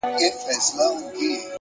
صفت زما مه كوه مړ به مي كړې ـ